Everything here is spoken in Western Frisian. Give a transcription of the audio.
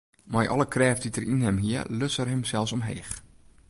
Mei alle krêft dy't er yn him hie, luts er himsels omheech.